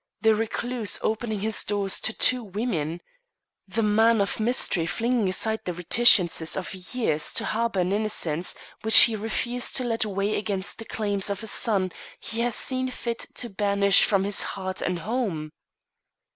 The recluse opening his doors to two women! The man of mystery flinging aside the reticences of years to harbour an innocence which he refused to let weigh against the claims of a son he has seen fit to banish from his heart and home!